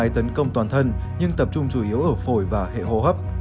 tấn công toàn thân nhưng tập trung chủ yếu ở phổi và hệ hô hấp